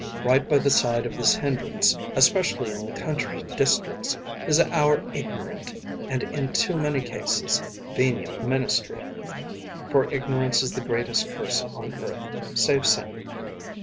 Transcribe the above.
Right by the side of this hindrance, especially in the country districts, is our ignorant, and, in too many cases, venial ministry, for ignorance is the greatest curse on earth, save sin.